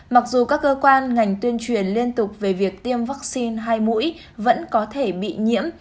mặc dù các cơ quan ngành tuyên truyền liên tục về việc tiêm vaccine hai mũi vẫn có thể bị nhiễm